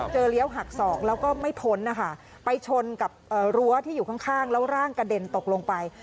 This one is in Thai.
เลี้ยวหักศอกแล้วก็ไม่พ้นนะคะไปชนกับรั้วที่อยู่ข้างแล้วร่างกระเด็นตกลงไป